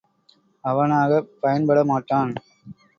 அவனாகப் பயன்பட மாட்டான்!